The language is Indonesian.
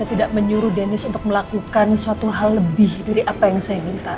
saya tidak menyuruh deniz untuk melakukan suatu hal lebih dari apa yang saya minta